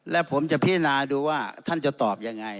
และผมจะพิจารณาดูว่าท่านจะตอบยังไง